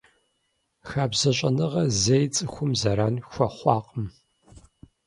Хабзэ щӀэныгъэр зэи цӀыхум зэран хуэхъуакъым.